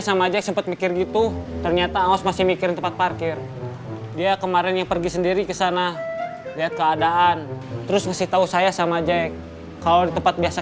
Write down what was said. sampai jumpa di video selanjutnya